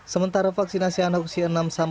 sementara vaksinasi di jawa timur tidak terlalu banyak